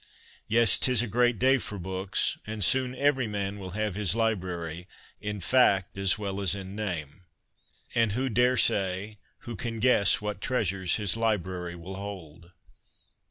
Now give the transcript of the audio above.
Yes ; 'tis a great day for books, and soon Everyman will have his library, in fact as well as in name. And who dare say, who can guess, what treasures his library will hold